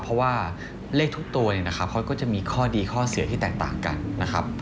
เพราะว่าเลขทุกตัวเนี่ยนะครับเขาก็จะมีข้อดีข้อเสียที่แตกต่างกันนะครับ